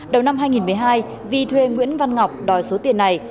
đầu năm hai nghìn một mươi hai vi thuê nguyễn văn ngọc đòi số tiền này